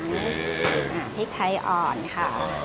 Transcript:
พริกไทยอ่อนค่ะ